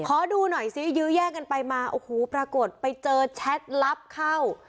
ขอดูหน่อยซิยื้อแย่งกันไปมาโอ้โหปรากฏไปเจอแชทลับเข้า